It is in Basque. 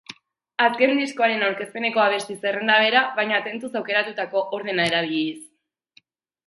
Azken diskoaren aurkezpeneko abesti zerrenda bera, baina tentuz aukeratutako ordena erabiliz.